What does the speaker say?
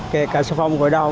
kể cả sản phẩm gội đau